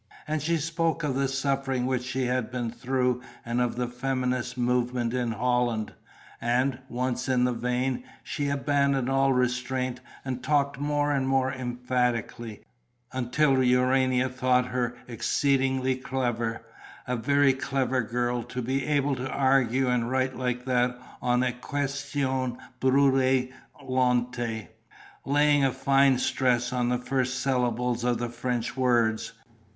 And she spoke of the suffering which she had been through and of the feminist movement in Holland. And, once in the vein, she abandoned all restraint and talked more and more emphatically, until Urania thought her exceedingly clever, a very clever girl, to be able to argue and write like that on a ques tion brû lante, laying a fine stress on the first syllables of the French words.